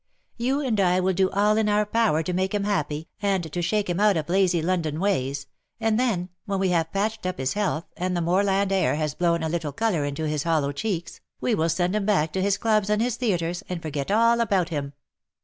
^'^You THE LOVELACE OF HIS DAY. 67 and I will do all in our power to make him happy, and to shake him out of lazy London ways^ and then^ when we have patched up his health, and the moorland air has blown a little colour into his hollow cheeks, we will send him back to his clubs and his theatres, and forget all about him.